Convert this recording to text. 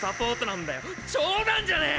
冗談じゃねえ！